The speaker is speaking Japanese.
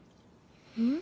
うん？